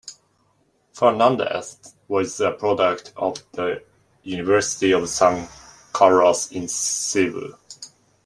Fernandez was a product of the University of San Carlos in Cebu.